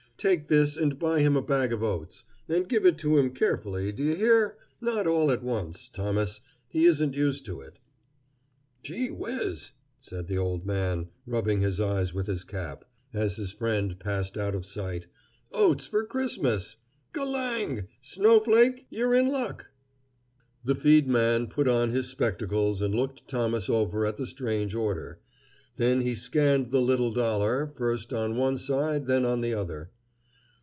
Take this and buy him a bag of oats. And give it to him carefully, do you hear? not all at once, Thomas. He isn't used to it." "Gee whizz!" said the old man, rubbing his eyes with his cap, as his friend passed out of sight, "oats fer Christmas! G'lang, Snowflake; yer in luck." The feed man put on his spectacles and looked Thomas over at the strange order. Then he scanned the little dollar, first on one side, then on the other.